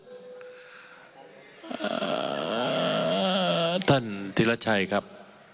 อ่าท่านธิรัชชัยครับ